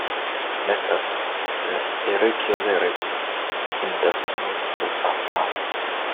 Later, irregularities in the store's books are found.